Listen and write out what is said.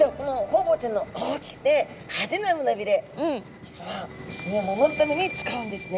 実は身を守るために使うんですね。